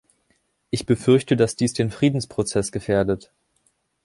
Ich befürchte, dass dies den Friedensprozess gefährdet.